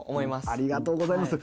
ありがとうございます。